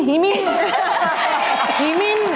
อีมีนอะไรไม่รู้